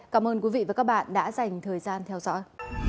cảm ơn quý vị và các bạn đã dành thời gian theo dõi